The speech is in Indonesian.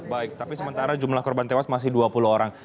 baik tapi sementara jumlah korban tewas masih dua puluh orang